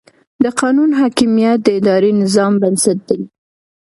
د قانون حاکمیت د اداري نظام بنسټ دی.